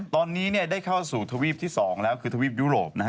ตอนนี้ได้เข้าสู่ทวีปที่๒แล้วคือทวีปยุโรปนะฮะ